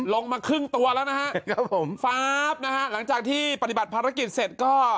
ลงมาครึ่งตัวแล้วนะฮะครับผมฟ้าบนะฮะหลังจากที่ปฏิบัติภารกิจเสร็จก็